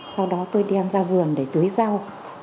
sau đó tôi đem ra vườn để tưới rau